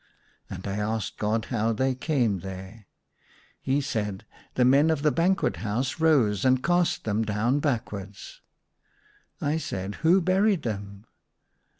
And I asked God how they came there. He said, " The men of the banquet house rose and cast them down back wards." I said, '• Who buried them